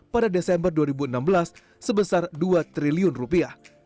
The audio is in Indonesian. pada desember dua ribu enam belas sebesar dua triliun rupiah